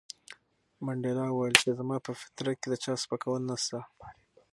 منډېلا وویل چې زما په فطرت کې د چا سپکول نشته.